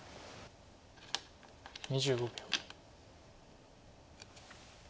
２５秒。